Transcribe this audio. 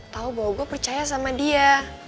tau bahwa gua percaya sama dia